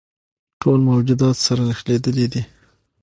ټول موجودات سره نښلیدلي دي.